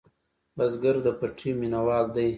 بزګر د پټي مېنهوال دی